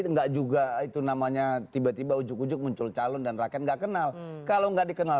enggak juga itu namanya tiba tiba ujuk ujug muncul calon dan rakyat nggak kenal kalau nggak dikenal